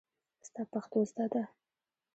ستا پښتو زده ده.